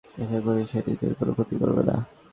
আশা করি সে নিজের কোন ক্ষতি করবে না।